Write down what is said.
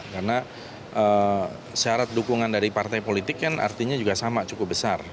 karena syarat dukungan dari partai politik kan artinya juga sama cukup besar